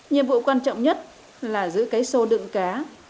nhiệm vụ quan trọng nhất là giữ cái xô đựng cá